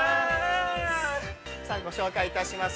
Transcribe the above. ◆さあご紹介します